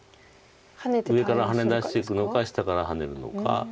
上からハネ出していくのか下からハネるのか。